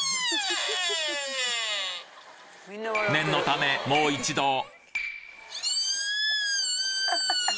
念のためもう一度！